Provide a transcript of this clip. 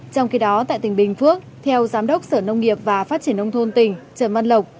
trong khi đó tại tỉnh bình phước theo giám đốc sở nông nghiệp và phát triển nông thôn tỉnh trần văn lộc